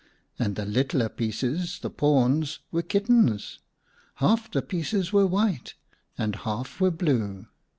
And the littler pieces, the pawns, were kittens. Half the pieces were white and half were blue.